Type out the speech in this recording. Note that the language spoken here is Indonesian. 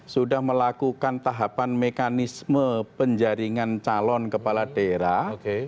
sudah melakukan tahapan mekanisme penjaringan calon kepala daerah